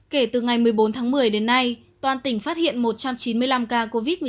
kể từ ngày một mươi bốn tháng một mươi đến nay toàn tỉnh phát hiện một trăm chín mươi năm ca covid một mươi chín